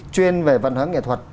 chuyên về văn hóa nghệ thuật